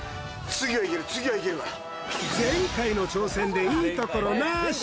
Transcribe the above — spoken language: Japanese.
前回の挑戦でいいところなし！